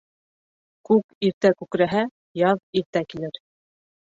Күк иртә күкрәһә, яҙ иртә килер.